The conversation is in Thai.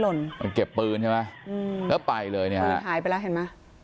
มันเก็บปืนใช่ไหมอืมแล้วไปเลยเนี่ยฮะปืนหายไปแล้วเห็นไหม